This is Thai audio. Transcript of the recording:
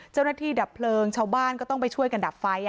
เจ้าหน้าที่ดับเพลิงเช้าบ้านก็ต้องไปช่วยกันดับไฟ